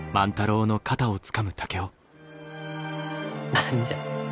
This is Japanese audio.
何じゃ？